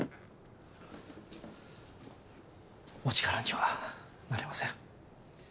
お力にはなれません。